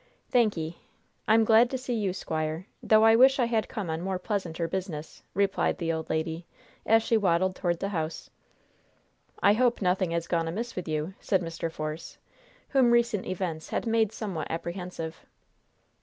"Thanky'! I'm glad to see you, squire, though I wish I had come on more pleasanter business," replied the old lady, as she waddled toward the house. "I hope nothing has gone amiss with you," said Mr. Force, whom recent events had made somewhat apprehensive.